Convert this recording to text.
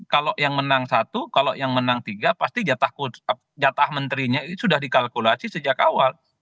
kalau yang menang satu kalau yang menang tiga pasti jatah menterinya sudah dikalkulasi sejak awal